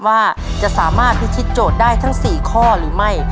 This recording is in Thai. ว่าจะสามารถพิชิตโจทย์ได้ทั้ง๔ข้อหรือไม่